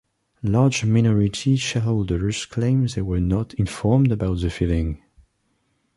Large minority shareholders claimed they were not informed about the filing.